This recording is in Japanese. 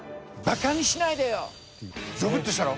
ゾクッとしたろ？